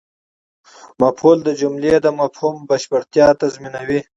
مفعول د جملې د مفهوم بشپړتیا تضمینوي.